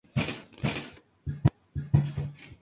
Sus papeles se conservan en los Archivos de Arte Americano.